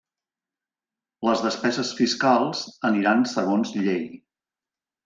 Les despeses fiscals aniran segons llei.